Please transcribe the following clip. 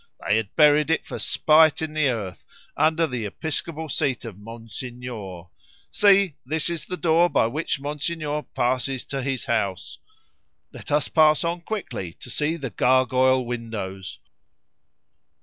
They had buried it for spite in the earth, under the episcopal seat of Monsignor. See! this is the door by which Monsignor passes to his house. Let us pass on quickly to see the gargoyle windows."